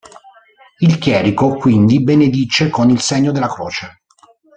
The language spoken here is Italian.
Il chierico quindi benedice con il segno della croce.